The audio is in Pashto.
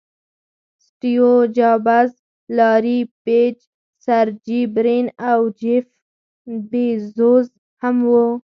سټیو جابز، لاري پیج، سرجي برین او جیف بیزوز هم وو.